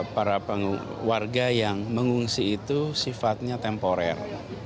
para warga yang mengungsi itu sifatnya temporer